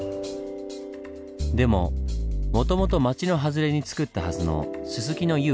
でももともと町の外れにつくったはずの薄野遊郭。